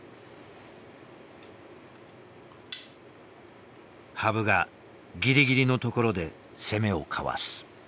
羽生がギリギリのところで攻めをかわす。